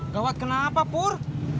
gawat kenapa pur